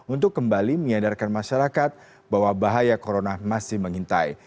untuk kembali menyadarkan masyarakat bahwa bahaya corona masih mengintai